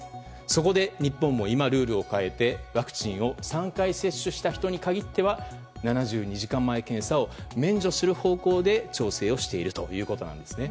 そこで日本もルールを変えてワクチンを３回接種した人に限っては７２時間前検査を免除する方向で調整を進めているんですね。